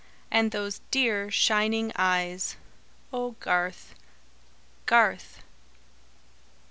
And those dear shining eyes! Oh, Garth, Garth!